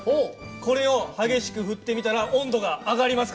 これを激しく振ってみたら温度が上がりますからね。